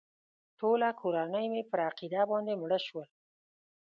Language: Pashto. ټوله کورنۍ مې پر عقیده باندې مړه شول.